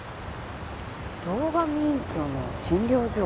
堂上院長の診療所。